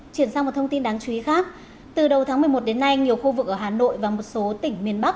chuyển sang một thông tin đáng chú ý khác từ đầu tháng một mươi một đến nay nhiều khu vực ở hà nội và một số tỉnh miền bắc